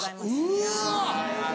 うわ！